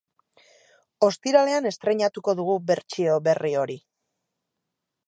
Ostiralean estreinatuko dugu bertsio berri hori.